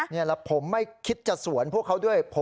นี่แล้วผมไม่คิดจะสวนพวกเขาด้วย